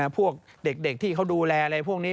พวกเด็กที่เขาดูแลอะไรพวกนี้